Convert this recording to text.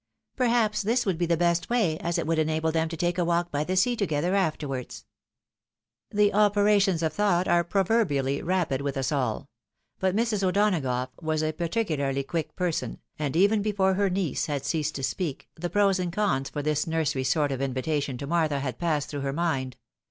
Perhaps this would be the best way, as it would enable them to take a walk by the sea togather, afterwards. 110 THE WIDOW MARRIED. The operations of thouglit are proverbially rapid with us all ; but Mrs. O'Donagough was a particularly quick person, and even before her niece had ceased to speak, the pros and cons for this nursery sort of invitation to Martha had passed through her mind.